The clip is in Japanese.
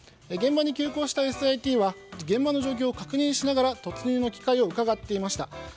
現場に急行したＳＩＴは現場の状況を確認しながら突入の機会をうかがっていました。